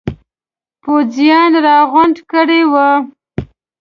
پوځیان را غونډ کړي وي.